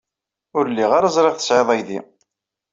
Ur lliɣ ara ẓriɣ tesɛid aydi.